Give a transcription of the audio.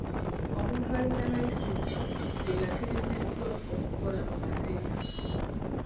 Omuntu alina layisinsi y'oyo akkiriziddwa okukola mu mateeka.